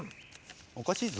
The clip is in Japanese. おかしいぞ。